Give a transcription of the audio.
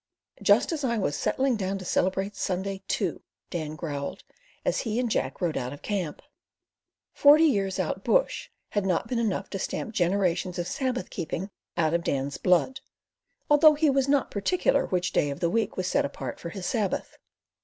"Just as I was settling down to celebrate Sunday, too," Dan growled, as he and Jack rode out of camp. Forty years out bush had not been enough to stamp generations of Sabbath keeping out of Dan's blood, although he was not particular which day of the week was set apart for his Sabbath.